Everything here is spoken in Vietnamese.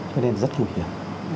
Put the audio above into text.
cho nên rất nguy hiểm